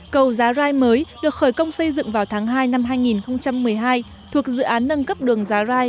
cầu giá rai mới được khởi công xây dựng vào tháng hai năm hai nghìn một mươi hai thuộc dự án nâng cấp đường giá rai